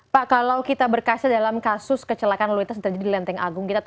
pak kalau kita berkasi dalam kasus kecelakaan laluitas yang terjadi di lenteng agung